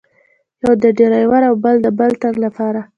یوه د ډریور او یوه د بل تن له پاره.